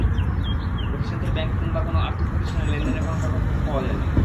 প্রতিষ্ঠানটির ব্যাংকে কিংবা কোনো আর্থিক প্রতিষ্ঠানে লেনদেনের কোনো কাগজপত্র পাওয়া যায়নি।